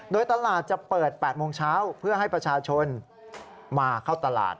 โดยตลาดจะเปิด๘โมงเช้าเพื่อให้ประชาชนมาเข้าตลาด